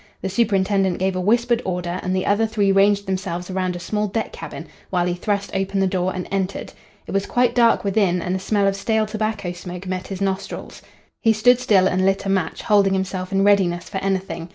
The superintendent gave a whispered order, and the other three ranged themselves around a small deck cabin, while he thrust open the door and entered. It was quite dark within, and a smell of stale tobacco smoke met his nostrils. He stood still and lit a match, holding himself in readiness for anything.